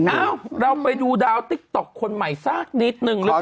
อ้าวเราไปดูดาวติ๊กต๊อกคนใหม่ซากนิดหนึ่งแล้วกัน